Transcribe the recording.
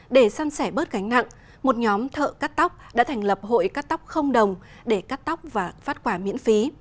để săn sẻ bớt gánh nặng một nhóm thợ cắt tóc đã thành lập hội cắt tóc không đồng để cắt tóc và phát quả miễn phí